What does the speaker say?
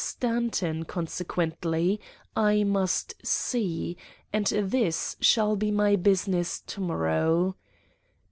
Stanton, consequently, I must see, and this shall be my business to morrow.